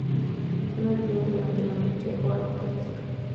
Son activos durante la noche o al atardecer.